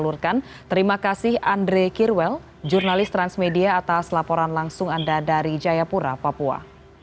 untuk para pengusaha